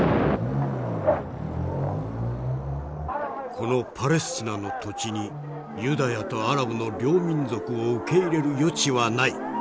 「このパレスチナの土地にユダヤとアラブの両民族を受け入れる余地はない。